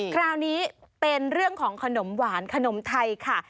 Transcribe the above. คราวนี้เป็นเรื่องของขนมหวานขนมไทยค่ะ